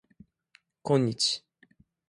こんにち